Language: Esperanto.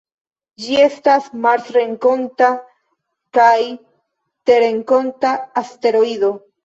Ĝi estas marsrenkonta kaj terrenkonta asteroido.